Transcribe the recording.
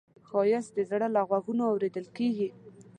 ښایست د زړه له غوږونو اورېدل کېږي